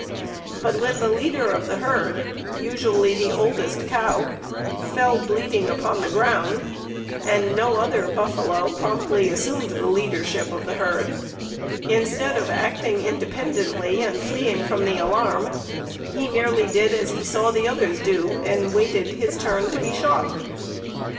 But when the leader of the herd, usually the oldest cow, fell bleeding upon the ground, and no other buffalo promptly assumed the leadership of the herd, instead of acting independently and fleeing from the alarm, he merely did as he saw the others do, and waited his turn to be shot.